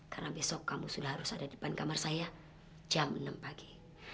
karena besok kamu sudah harus ada di depan kamar saya jam enam pagi